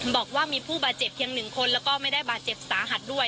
บอกว่ามีผู้บาดเจ็บเพียง๑คนแล้วก็ไม่ได้บาดเจ็บสาหัสด้วย